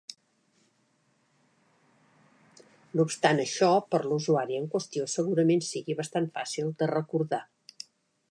No obstant això, per a l'usuari en qüestió segurament sigui bastant fàcil de recordar.